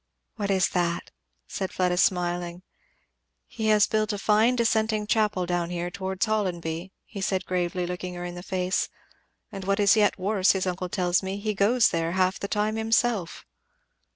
"What is that?" said Fleda smiling. "He has built a fine dissenting chapel down here towards Hollonby," he said gravely, looking her in the face, "and what is yet worse, his uncle tells me, he goes there half the time himself!"